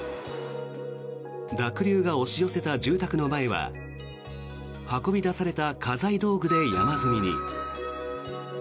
濁流が押し寄せた住宅の前は運び出された家財道具で山積みに。